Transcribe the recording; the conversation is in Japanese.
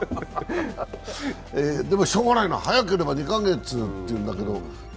しょうがないな早ければ２か月っていうんだけどね